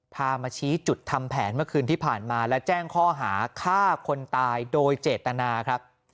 พามาชี้จุดทำแผนเมื่อคืนที่ผ่านมาและแจ้งข้อหาฆ่าคนตายโดยเจตนาครับ